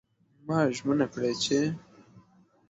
ما ژمنه کړې چې